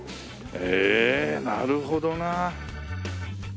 ええなるほどな。